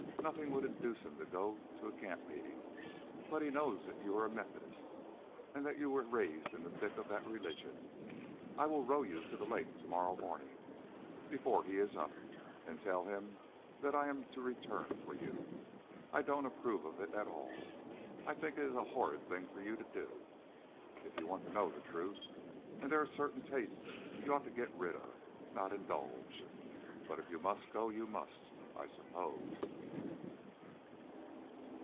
Nothing would induce him to go to a camp meeting. But he knows that you are a Methodist, and that you were raised in the thick of that religion. I will row you to the next lake to morrow morning before he is up, and tell him that I am to return for you. I don't approve of it at all. I think it is a horrid thing for you to do, if you want to know the truth, and there are certain tastes you ought to get rid of, not indulge. But if you must go, you must, I suppose."